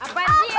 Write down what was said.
apaan sih ya